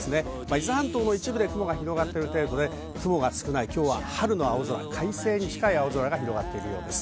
伊豆半島の一部で雲が広がっている程度で、春の青空、快晴に近い青空が広がっています。